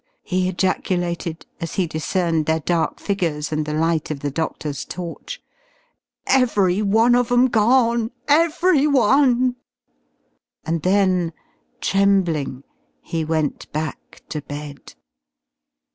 he ejaculated, as he discerned their dark figures and the light of the doctor's torch. "Every one of 'em gone every one!" And then, trembling, he went back to bed.